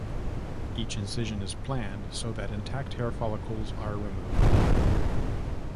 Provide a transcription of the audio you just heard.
Each incision is planned so that intact hair follicles are removed.